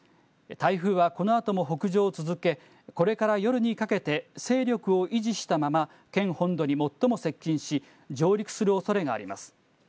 台風はこのあとも北上を続け、これから夜にかけて、勢力を維持したまま、県本土に最も接近し、上陸するおそれがあります。